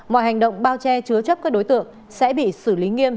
mọi hành động bao che chứa chấp các đối tượng sẽ bị xử lý nghiêm